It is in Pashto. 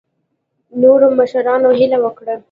نورو مشرانو هیله وکړه.